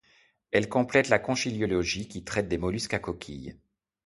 Elle complète la conchyliologie, qui traite des mollusques à coquille.